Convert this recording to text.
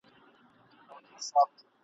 انټرنیټ نړیوال معلومات وړاندې کوي.